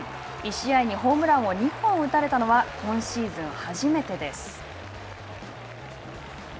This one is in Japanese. １試合にホームランを２本打たれたのは、今シーズン初めてです。